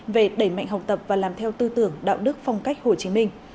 về đẩy mạnh học tập và làm theo tư tưởng đạo đức phong cách hồ chí minh